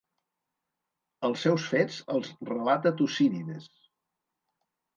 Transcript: Els seus fets els relata Tucídides.